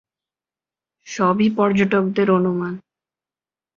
সবই পর্যটকদের অনুমান।